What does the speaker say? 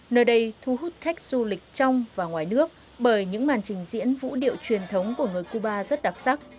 nơi đây thu hút khách du lịch trong và ngoài nước bởi những màn trình diễn vũ điệu truyền thống của người cuba rất đặc sắc